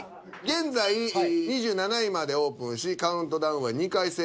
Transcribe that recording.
現在２７位までオープンしカウントダウンは２回成功。